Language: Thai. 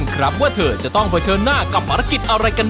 สายปาลจะชนะหรือว่าแพ้